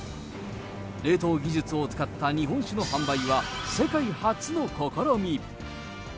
冷凍技術を使った日本酒の販売は、世界初の試み。